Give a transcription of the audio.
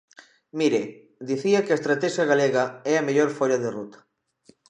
Mire, dicía que a Estratexia galega é a mellor folla de ruta.